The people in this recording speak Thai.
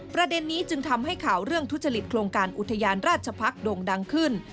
ประเด็นนี้จึงทำให้ข่าวเรื่องทุจริตโครงการอุทยานราชพักษ์โด่งดังขึ้น